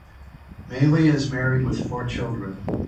Maile is married with four children.